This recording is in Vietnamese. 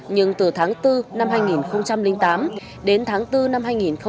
nhưng từ tháng bốn năm hai nghìn tám đến tháng bốn năm hai nghìn một mươi